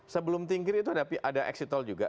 sebelum tingkir itu ada exitol juga